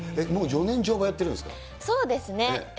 もう４年、乗馬やってるんでそうですね。